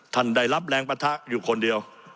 ท่านได้รับแรงปะทะอยู่คนเดียว